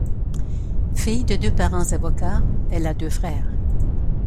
Fille de deux parents avocats, elle a deux frères.